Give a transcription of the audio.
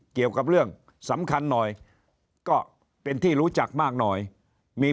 เกี่ยวกับเรื่องสำคัญหน่อยก็เป็นที่รู้จักมากหน่อยมี